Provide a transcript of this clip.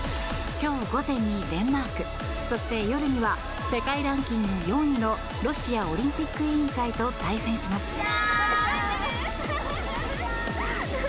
今日午前にデンマークそして、夜には世界ランキング４位のロシアオリンピック委員会と対戦します。